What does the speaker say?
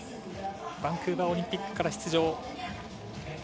バンクーバーオリンピックから出場。